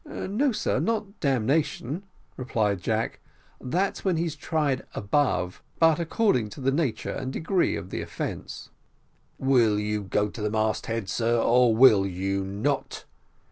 "No, sir, not damnation," replied Jack, "that's when he's tried above; but according to the nature and degree of the offence " "Will you go to the mast head, sir, or will you not?"